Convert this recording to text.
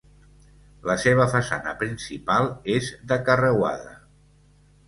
La seva façana principal és de carreuada.